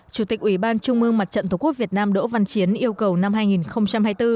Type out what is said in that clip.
chủ tịch ủy ban trung mương mặt trận tổ quốc việt nam đỗ văn chiến yêu cầu năm hai nghìn hai mươi bốn